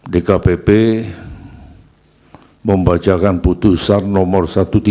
dkpp membacakan putusan nomor satu ratus tiga puluh